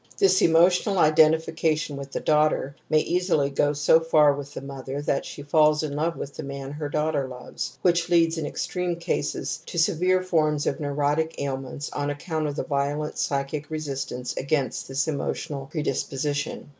This emotional indentification with the daugh /\ ter may easily go so far with the mother that she also falls in love with the man her daughter loves, which leads, in extreme cases, to severe 1 forms of neurotic ailments on account of the violent psychic resistance against this emotional predisposition.